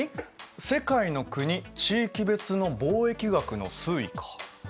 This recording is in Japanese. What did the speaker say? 「世界の国・地域別の貿易額の推移」か。